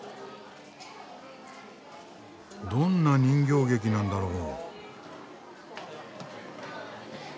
どんな人形劇なんだろう？